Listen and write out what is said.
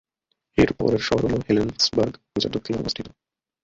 এর পরের শহর হল হেলেনসবার্গ, যা দক্ষিণে অবস্থিত।